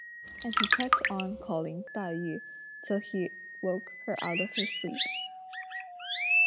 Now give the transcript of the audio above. and he kept on calling "Tai yü" till he woke her out of her sleep.